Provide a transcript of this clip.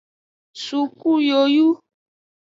Suku yoyu.